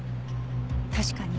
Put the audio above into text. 確かに。